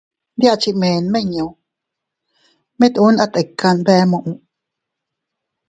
Ndi a chi mee nmiññu, mit uun a tikano bee muʼu.